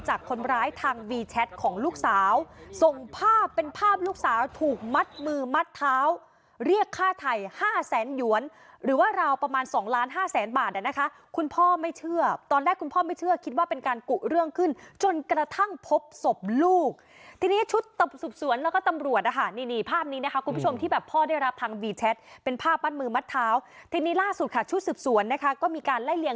จากคนร้ายทางวีแชทของลูกสาวส่งภาพเป็นภาพลูกสาวถูกมัดมือมัดเท้าเรียกค่าไถ่ห้าแสนหยวนหรือว่าราวประมาณสองล้านห้าแสนบาทน่ะนะคะคุณพ่อไม่เชื่อตอนแรกคุณพ่อไม่เชื่อคิดว่าเป็นการกุเรื่องขึ้นจนกระทั่งพบศพลูกทีนี้ชุดสุดสวนแล้วก็ตำรวจอ่ะฮะนี่นี่ภาพนี้นะคะคุณผู้ชมที่